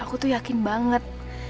aku tuh yakin banget